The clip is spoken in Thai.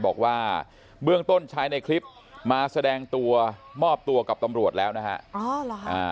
บอกว่าเบื้องต้นชายในคลิปมาแสดงตัวมอบตัวกับตำรวจแล้วนะฮะ